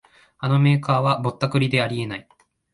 あのメーカーはぼったくりであり得ない